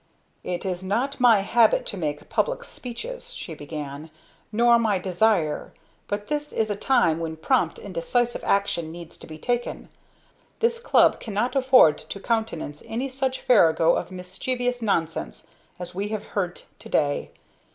"It is not my habit to make public speeches," she began, "nor my desire; but this is a time when prompt and decisive action needs to be taken. This Club cannot afford to countenance any such farrago of mischievous nonsense as we have heard to day.